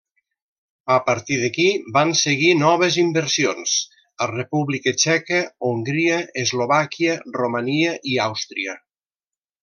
A partir d'aquí, van seguir noves inversions a República Txeca, Hongria, Eslovàquia, Romania i Àustria.